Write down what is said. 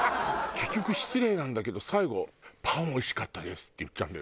結局失礼なんだけど最後「パンおいしかったです」って言っちゃうんだよね。